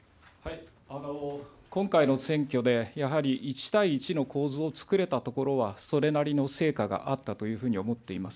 今回の選挙で、やはり１対１の構図をつくれたところはそれなりの成果があったというふうに思っています。